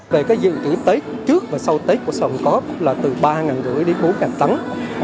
về dự kiến tết trước và sau tết của sơn cóp là từ ba năm trăm linh đến bốn tắng